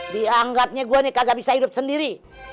dianggapnya gue kagak bisa hidup sendiri